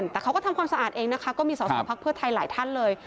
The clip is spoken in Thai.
แต่เขาก็ทำความสะอาดเองนะคะก็มีสอสอพักเพื่อไทยหลายท่านเลย